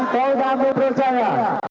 pauli amir berjaya